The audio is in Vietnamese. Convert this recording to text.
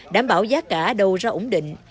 đảm bảo giá cả đầu ra ổn định